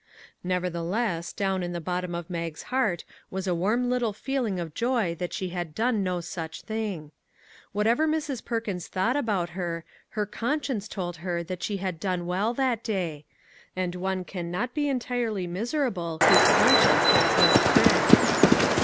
Nevertheless, down in the bot tom of Mag's heart was a warm little feeling of joy that she had done no such thing. What ever Mrs. Perkins thought about her, her con science told her she had done well that day ; and one can not be entirely miserable whose con science has no prick.